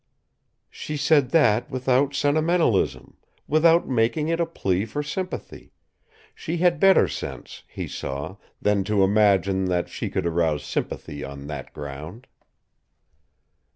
She said that without sentimentalism, without making it a plea for sympathy; she had better sense, he saw, than to imagine that she could arouse sympathy on that ground.